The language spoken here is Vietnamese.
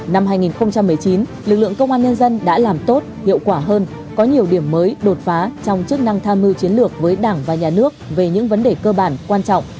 năm hai nghìn một mươi chín lực lượng công an nhân dân đã làm tốt hiệu quả hơn có nhiều điểm mới đột phá trong chức năng tham mưu chiến lược với đảng và nhà nước về những vấn đề cơ bản quan trọng